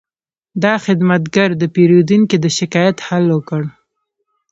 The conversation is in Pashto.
دا خدمتګر د پیرودونکي د شکایت حل وکړ.